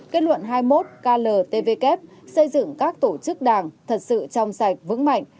kết luận hai mươi một kltvk xây dựng các tổ chức đảng thật sự trong sạch vững mạnh